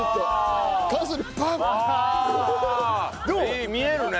いい見えるね。